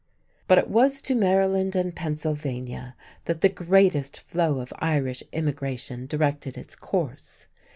But it was to Maryland and Pennsylvania that the greatest flow of Irish immigration directed its course.